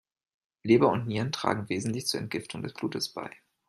Leber und Nieren tragen wesentlich zur Entgiftung des Blutes bei.